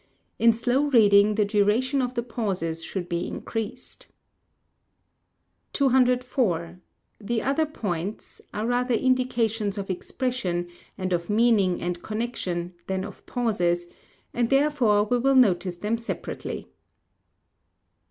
In slow reading the duration of the pauses should be increased. 204. The Other Points are rather indications of expression, and of meaning and connection, than of pauses, and therefore we will notice them separately.